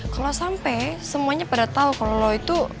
kalo sampe semuanya pada tau kalo lu itu